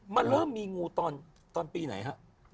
มันเริ่มมีงูตอนปีไหนฮะ